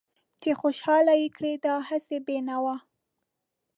چې خوشحال يې کړ دا هسې بې نوا